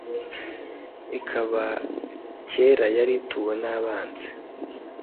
ikaba kera yari ituwe n'abanzi